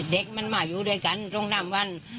เด็กมันมาอยู่ด้วยกันโรงแรมวัน